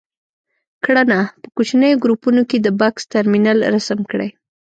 کړنه: په کوچنیو ګروپونو کې د بکس ترمینل رسم کړئ.